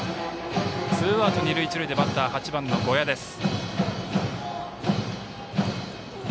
ツーアウト、二塁一塁でバッターは８番、呉屋です。